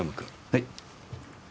はい。